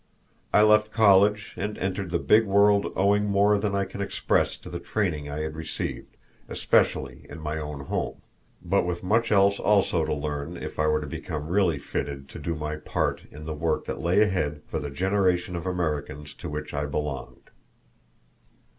I left college and entered the big world owing more than I can express to the training I had received, especially in my own home; but with much else also to learn if I were to become really fitted to do my part in the work that lay ahead for the generation of Americans to which I belonged.